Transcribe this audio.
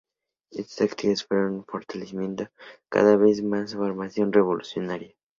Estas actividades fueron fortaleciendo cada vez más su formación revolucionaria.